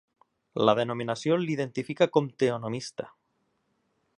La denominació l"identifica com teonomista.